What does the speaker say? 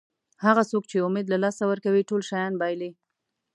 هغه څوک چې امید له لاسه ورکوي ټول شیان بایلي.